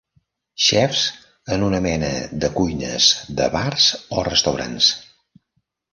Xefs en una mena de cuines de bars o restaurants.